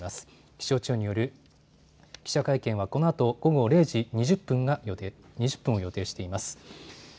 気象庁による記者会見はこのあと午後０時２０分を予定しています。